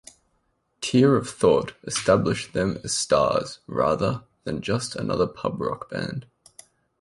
"Tear of Thought" established them as stars rather than just another pub rock band.